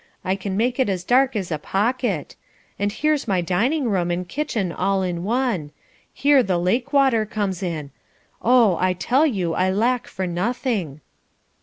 I can make it as dark as a pocket; and here's my dining room, and kitchen all in one; here the lake water comes in; oh I tell you, I lack for nothing."